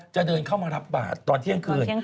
จะเดินเข้ามารับบาทตอนเที่ยงคืน